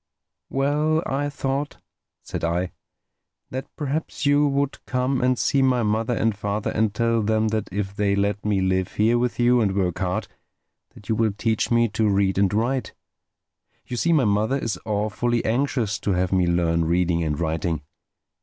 "Well, I thought," said I, "that perhaps you would come and see my mother and father and tell them that if they let me live here with you and work hard, that you will teach me to read and write. You see my mother is awfully anxious to have me learn reading and writing.